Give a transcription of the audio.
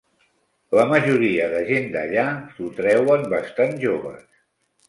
La majoria de gent d'allà s'ho treuen bastant joves.